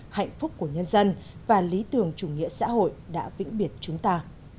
hạnh phúc của nhân dân và lý tưởng chủ nghĩa xã hội đã vĩnh biệt chúng ta